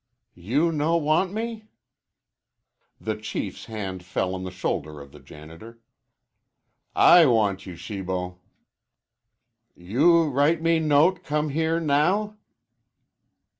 "You no want me?" The Chief's hand fell on the shoulder of the janitor. "I want you, Shibo." "You write me note come here now?"